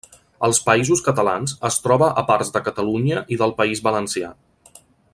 Als Països catalans es troba a parts de Catalunya i del País Valencià.